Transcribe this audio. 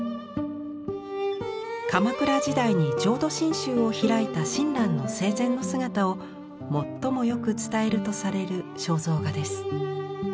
鎌倉時代に浄土真宗を開いた親鸞の生前の姿を最もよく伝えるとされる肖像画です。